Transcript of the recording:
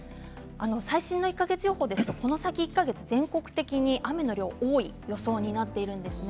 最新の１か月予報ですとこの先１か月、全国的に雨の量が多い予想になっているんですね。